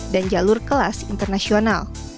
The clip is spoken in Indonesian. dan jalur kelas internasional